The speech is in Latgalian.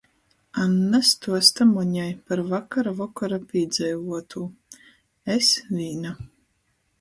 Anna stuosta Moņai par vakar vokora pīdzeivuotū: - Es vīna.